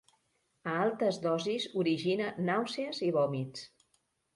A altes dosis origina nàusees, i vòmits.